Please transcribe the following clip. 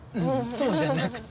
そうじゃなくて。